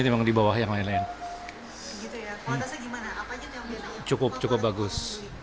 memang dibawah yang lain lain cukup cukup bagus